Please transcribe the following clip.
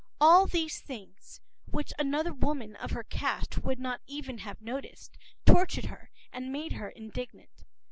All these things, which another woman of her caste would not even have noticed, tortured her and made her indignant.